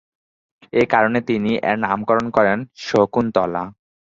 এই কারণে তিনি এর নামকরণ করেন "শকুন্তলা"।